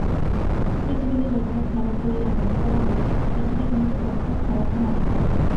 পৃথিবীকে যতটা খারাপ বলিয়া মনে করা হয়, পৃথিবী কিন্তু ততটা খারাপ নয়।